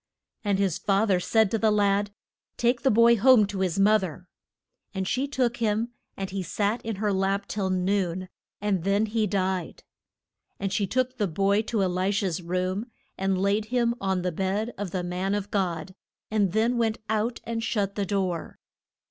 And his fath er said to a lad, Take the boy home to his moth er. And she took him, and he sat in her lap till noon, and then died. And she took the boy to E li sha's room, and laid him on the bed of the man of God, and then went out and shut the door.